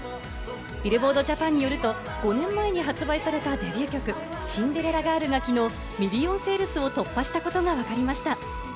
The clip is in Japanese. ビルボード・ジャパンによると５年前に発売されたデビュー曲『シンデレラガール』が昨日、ミリオンセールスを突破したことがわかりました。